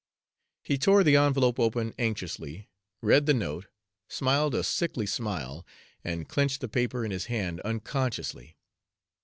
He tore the envelope open anxiously, read the note, smiled a sickly smile, and clenched the paper in his hand unconsciously.